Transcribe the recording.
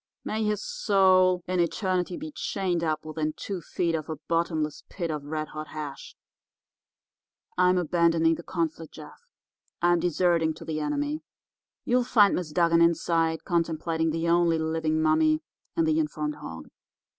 May his soul in eternity be chained up within two feet of a bottomless pit of red hot hash. I'm abandoning the conflict, Jeff; I'm deserting to the enemy. You'll find Miss Dugan inside contemplating the only living mummy and the informed hog.